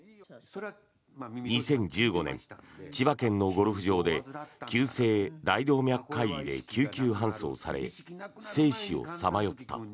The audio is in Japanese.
２０１５年、千葉県のゴルフ場で急性大動脈解離で救急搬送され生死をさまよった。